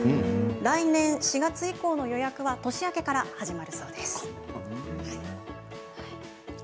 来年４月以降の予約は年明けから始まるそうです。